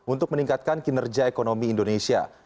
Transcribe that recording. untuk meningkatkan kinerja ekonomi indonesia